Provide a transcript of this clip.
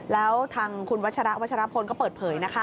แล้วทางคุณวัชระวัชรพลก็เปิดเผยนะคะ